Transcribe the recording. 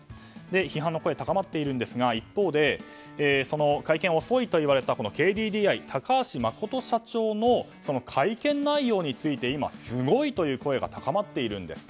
批判の声は高まっているんですが一方でその会見が遅いと言われたＫＤＤＩ、高橋誠社長の会見内容について今、すごいという声が高まっているんです。